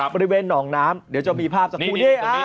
บริเวณหนองน้ำเดี๋ยวจะมีภาพสักครู่นี้